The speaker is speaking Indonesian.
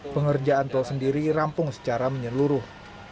pengerjaan tol sendiri rampung secara menyeluruh